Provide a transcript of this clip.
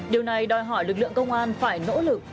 điều này đòi hỏi lực lượng công an phải nỗ lực